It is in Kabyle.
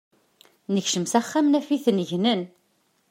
Nekcem s axxam, naf-iten gnen.